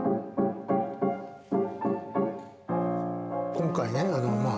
今回ねあのまあ